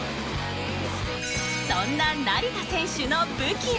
そんな成田選手の武器は。